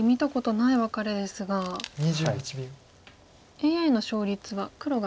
ＡＩの勝率は黒が。